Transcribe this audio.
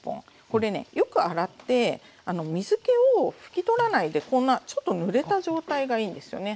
これねよく洗って水けを拭き取らないでこんなちょっとぬれた状態がいいんですよね。